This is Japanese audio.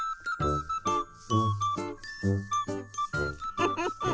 フフフフ。